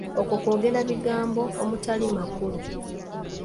Okwo kwogera bigambo omutali makulu.